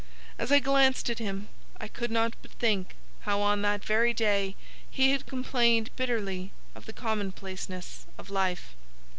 As I glanced at him I could not but think how on that very day he had complained bitterly of the commonplaceness of life.